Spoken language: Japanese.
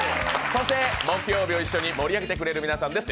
そして木曜日を一緒に盛り上げてくれる皆さんです